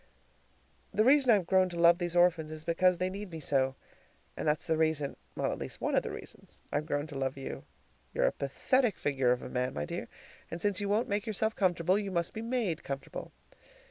The reason I've grown to love these orphans is because they need me so, and that's the reason at least one of the reasons I've grown to love you. You're a pathetic figure of a man, my dear, and since you won't make yourself comfortable, you must be MADE comfortable.